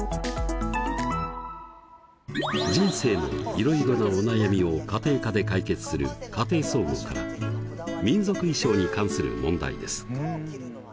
人生のいろいろなお悩みを家庭科で解決する「家庭総合」から民族衣装に関する問題です。